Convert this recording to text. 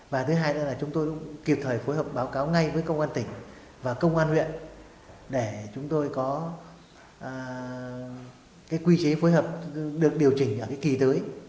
và thứ hai là chúng tôi cũng kịp thời phối hợp báo cáo ngay với công an tỉnh và công an huyện để chúng tôi có quy chế phối hợp được điều chỉnh ở cái kỳ tới